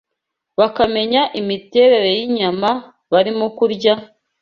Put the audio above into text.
bakamenya imiterere y’inyama barimo kurya,